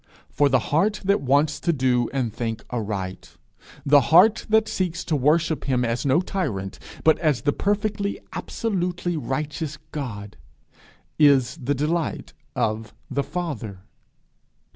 For the heart that wants to do and think aright, the heart that seeks to worship him as no tyrant, but as the perfectly, absolutely righteous God, is the delight of the Father.